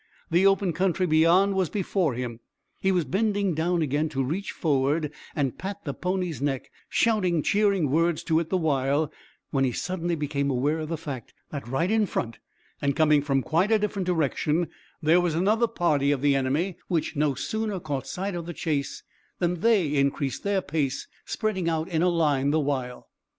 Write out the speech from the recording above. The open country beyond was before him, he was bending down again to reach forward and pat the pony's neck, shouting cheering words to it the while, when he suddenly became aware of the fact that right in front, and coming from quite a different direction, there was another party of the enemy, which no sooner caught sight of the chase than they increased their pace, spreading out into a line the while.